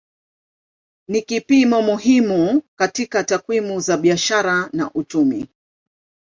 Ni kipimo muhimu katika takwimu za biashara na uchumi.